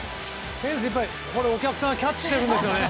フェンスいっぱいお客さんがキャッチしてるんですよね。